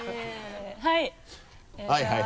はい！